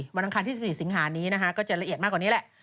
วันทางการที่๑๔สิงหาศนีเนี้ยนะคะก็จะละเอียดมากกว่านี้แล้ว